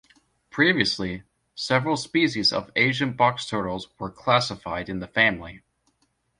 Previously, several species of Asian box turtles were classified in the family.